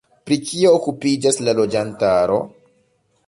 Pri kio okupiĝas la loĝantaro?